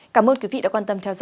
cảm ơn quý vị đã quan tâm theo dõi